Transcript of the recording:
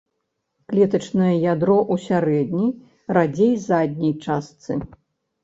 Клетачнае ядро ў сярэдняй, радзей задняй частцы.